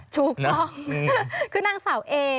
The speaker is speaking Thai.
ถูกต้องคือนางสาวเอ